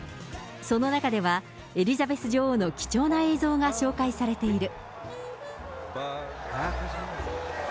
その中では、エリザベス女王の貴重な映像が紹介されている。